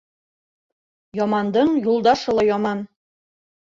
Ямандың юлдашы ла яман.